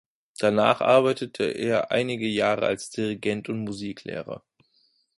Danach arbeitete er einige Jahre als Dirigent und Musiklehrer.